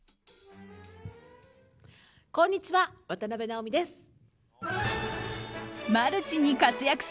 こんにちは、渡辺直美です。